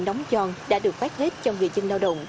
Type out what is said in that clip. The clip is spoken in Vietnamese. đóng giòn đã được phát hết cho người dân lao động